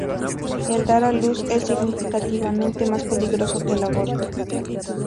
El dar a luz es significativamente más peligroso que el aborto.